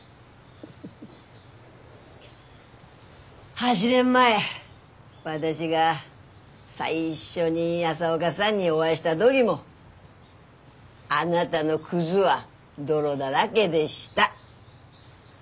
８年前私が最初に朝岡さんにお会いした時もあなたの靴は泥だらげでした。